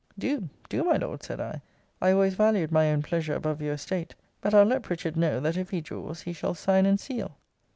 Do, do, my Lord, said I: I always valued my own pleasure above your estate. But I'll let Pritchard know, that if he draws, he shall sign and seal.